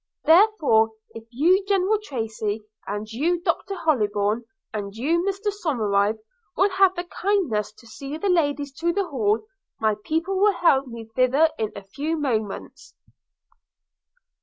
Therefore, if you General Tracy, and you Dr Hollybourn, and you Mr Somerive, will have the kindness to see the ladies to the hall, my people will help me thither in a few moments.'